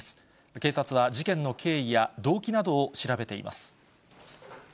警察は事件の経緯や動機などを調べています。